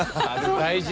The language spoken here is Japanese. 大事。